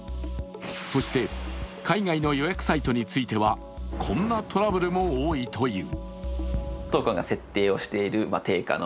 そして、海外の予約サイトについてはこんなトラブルも多いという。